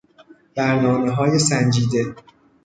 برنامههای سنجیده